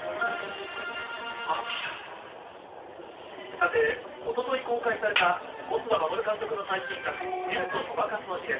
さて、おととい公開された、細田守監督の最新作、竜とそばかすの姫。